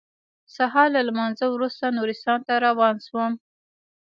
سهار له لمانځه وروسته نورستان ته روان شوم.